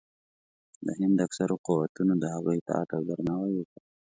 د هند اکثرو قوتونو د هغه اطاعت او درناوی وکړ.